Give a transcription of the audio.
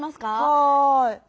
はい。